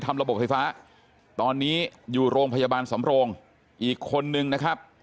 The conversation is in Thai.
ระบบไฟฟ้าตอนนี้อยู่โรงพยาบาลสำโรงอีกคนนึงนะครับ